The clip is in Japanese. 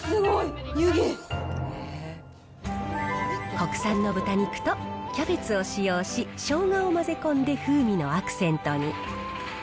国産の豚肉とキャベツを使用し、しょうがを混ぜ込んで風味のアクセントに。